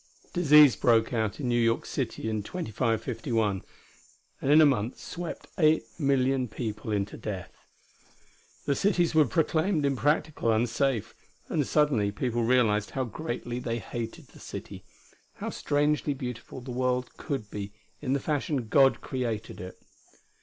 Disease broke out in New York City in 2551, and in a month swept eight million people into death. The cities were proclaimed impractical, unsafe. And suddenly the people realized how greatly they hated the city; how strangely beautiful the world could be in the fashion God created it....